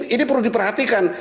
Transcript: ini perlu diperhatikan